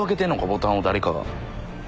ボタンを誰かが。